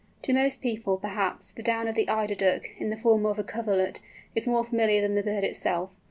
To most people, perhaps, the down of the Eider Duck, in the form of a coverlet, is more familiar than the bird itself.